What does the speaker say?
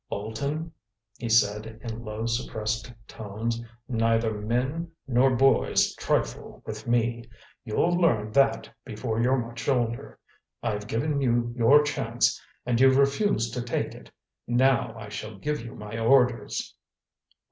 "Bolton," he said in low, suppressed tones, "neither men nor boys trifle with me—you'll learn that before you're much older. I've given you your chance and you've refused to take it. Now I shall give you my orders."